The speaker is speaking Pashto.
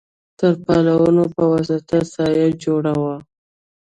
تر پالونو په واسطه سایه جوړه وه.